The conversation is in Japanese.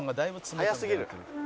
速すぎる。